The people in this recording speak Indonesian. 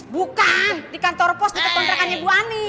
bukan di kantor pos deket kontrakannya bu ani